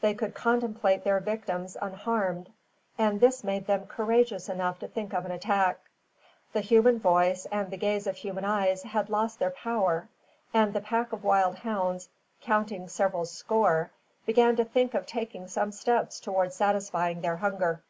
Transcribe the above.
They could contemplate their victims unharmed, and this made them courageous enough to think of an attack. The human voice and the gaze of human eyes had lost their power, and the pack of wild hounds, counting several score, began to think of taking some steps towards satisfying their hunger.